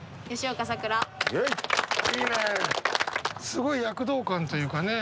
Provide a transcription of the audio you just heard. すごい躍動感というかね。